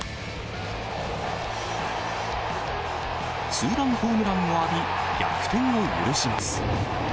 ツーランホームランを浴び、逆転を許します。